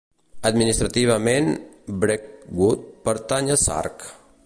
Administrativament Brecqhou pertany a Sark.